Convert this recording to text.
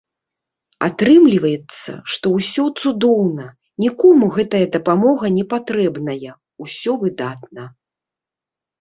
Атрымліваецца, што ўсё цудоўна, нікому гэтая дапамога не патрэбная, усё выдатна!